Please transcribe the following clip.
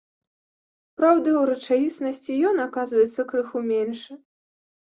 Праўда, у рэчаіснасці ён аказваецца крыху меншы.